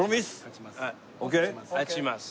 勝ちます。